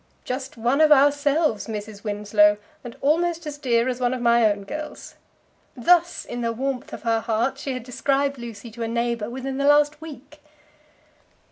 "Just one of ourselves, Mrs. Winslow, and almost as dear as one of my own girls!" Thus, in the warmth of her heart, she had described Lucy to a neighbour within the last week.